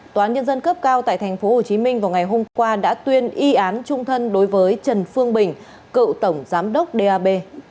tòa án nhân dân cấp cao tại tp hcm vào ngày hôm qua đã tuyên y án trung thân đối với trần phương bình cựu tổng giám đốc dap